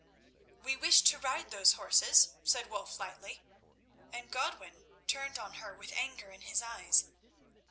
"We wish to ride those horses," said Wulf lightly, and Godwin turned on her with anger in his eyes.